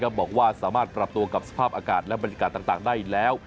บอกว่าสามารถปรับตัวกับสภาพอากาศและบรรยากาศต่างได้แล้ว